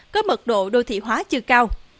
có mật độ đô thị hóa chưa cao